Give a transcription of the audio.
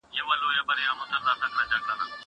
هغه څوک چي سندري اوري خوشاله وي!!